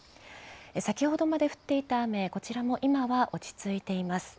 先ほどまで降っていた雨、こちらも今は落ち着いています。